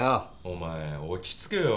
お前落ち着けよ。